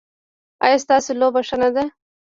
ایا ستاسو لوبه ښه نه ده؟